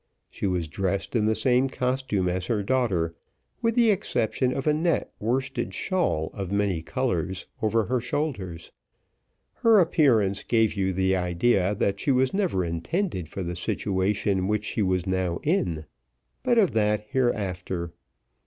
She was dressed in the same costume as her daughter, with the exception of a net worsted shawl of many colours over her shoulders. Her appearance gave you the idea that she was never intended for the situation which she was now in; but of that hereafter.